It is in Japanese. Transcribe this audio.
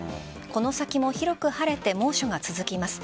この先も広く晴れて猛暑が続きます。